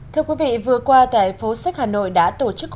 thưa quý vị vừa qua tại phố sách hà nội đã tổ chức hội